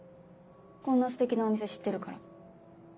こんなステキなお店知ってるから。